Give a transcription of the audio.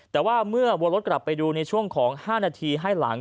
แต่ว่าเมื่อวนรถกลับไปดูในช่วงของ๕นาทีให้หลัง